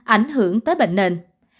ảnh hưởng tới bệnh nền